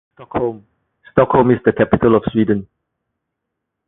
Stockholm is the capital of Sweden.